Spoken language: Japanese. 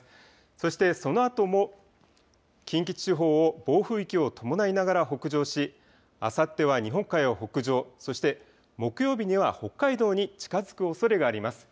そしてそのあとも近畿地方を暴風域を伴いながら北上し、あさっては日本海を北上、そして木曜日には北海道に近づくおそれがあります。